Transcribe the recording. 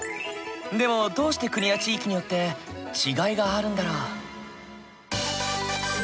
でもどうして国や地域によって違いがあるんだろう？